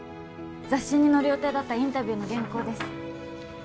雑誌に載る予定だったインタビューの原稿です